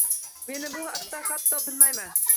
Men bu haqda hatto bilmayman